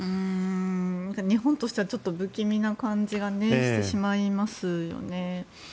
日本としては不気味な感じがしてしまいますよね。